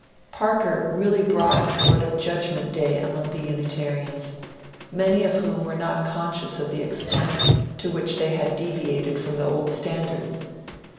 Parker really brought a sort of judgment day among the Unitarians, many of whom were not conscious of the extent to which they had deviated from the old standards.